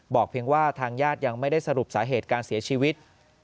เพียงว่าทางญาติยังไม่ได้สรุปสาเหตุการเสียชีวิต